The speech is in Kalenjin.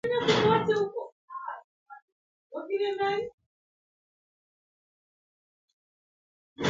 Age ko tewernatetab yaenyi yokichenge boisiet kelechini chepyoso kokoito kei asikonyor boisiet